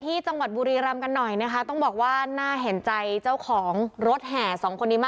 ที่จังหวัดบุรีรำกันหน่อยนะคะต้องบอกว่าน่าเห็นใจเจ้าของรถแห่สองคนนี้มาก